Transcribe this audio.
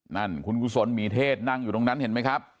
นั่นคุณกุศลหมีเทศนั่งอยู่ตรงนั้นเห็นไหมครับ